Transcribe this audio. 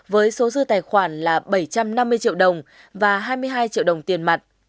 với số dư tài khoản là bảy trăm năm mươi triệu đồng và hai mươi hai triệu đồng tiền mặt